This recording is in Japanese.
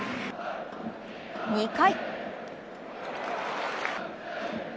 ２回。